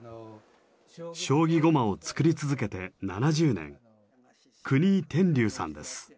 将棋駒を作り続けて７０年國井天龍さんです。